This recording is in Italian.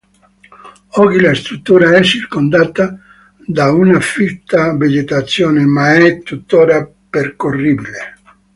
Oggi la struttura è circondata da una fitta vegetazione ma è tuttora percorribile.